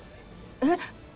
えっ？